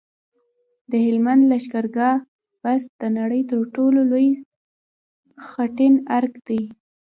د هلمند لښکرګاه بست د نړۍ تر ټولو لوی خټین ارک دی